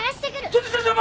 ちょっとちょちょ